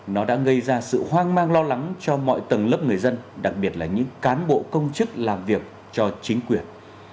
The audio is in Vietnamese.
nó đã gây ra sự hoang mang lo lắng cho mọi tầng lớp người dân đặc biệt là những cán bộ công chức làm việc cho chính quyền